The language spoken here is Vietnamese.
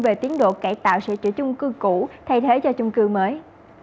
về tiến độ cải tạo sửa chữa chung cư cũ thay thế cho chung cư mới